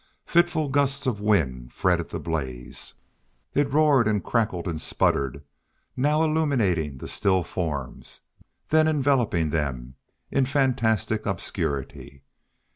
Fitful gusts of wind fretted the blaze; it roared and crackled and sputtered, now illuminating the still forms, then enveloping them in fantastic obscurity.